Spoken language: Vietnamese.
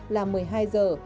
là một mươi hai giờ